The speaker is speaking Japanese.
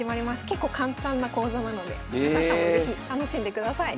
結構簡単な講座なので高橋さんも是非楽しんでください。